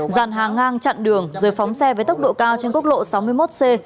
dàn hàng ngang chặn đường rồi phóng xe với tốc độ cao trên quốc lộ sáu mươi một c